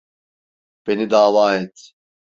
Beni dava et.